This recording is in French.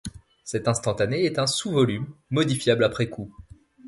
Cet instantané est un sous-volume, modifiable après coup.